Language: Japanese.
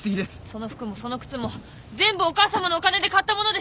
その服もその靴も全部お母さまのお金で買ったものでしょ？